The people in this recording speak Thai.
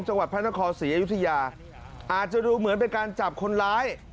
จังหวัดพระนครศรีอยุธยาอาจจะดูเหมือนเป็นการจับคนร้าย